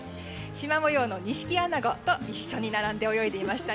しま模様のニシキアナゴと一緒に並んで泳いでいました。